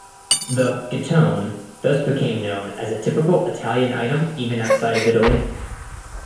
The "gettone" thus became known as a typical Italian item even outside of Italy.